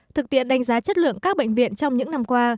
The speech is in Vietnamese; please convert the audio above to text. thực tiện đánh giá chất lượng các bệnh viện trong những năm qua